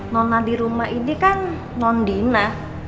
nonah di rumah ini kan non dina